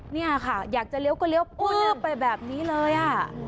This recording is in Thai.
เนี่ยค่ะอยากจะเร็วก็เร็วไปแบบนี้เลยอ่ะ